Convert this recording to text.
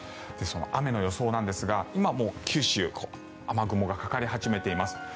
その雨の予想なんですが今、九州はもう雨雲がかかり始めています。